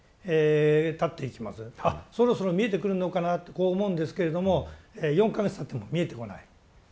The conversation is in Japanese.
あそろそろ見えてくるのかな？ってこう思うんですけれども４か月たっても見えてこない。